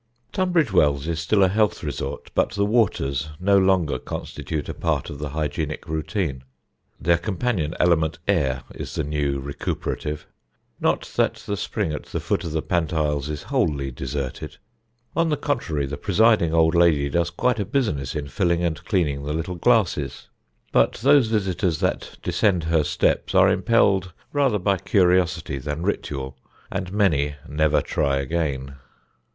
Tunbridge Wells is still a health resort, but the waters no longer constitute a part of the hygienic routine. Their companion element, air, is the new recuperative. Not that the spring at the foot of the Pantiles is wholly deserted: on the contrary, the presiding old lady does quite a business in filling and cleaning the little glasses; but those visitors that descend her steps are impelled rather by curiosity than ritual, and many never try again.